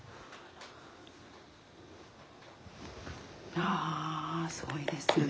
ああすごいですね。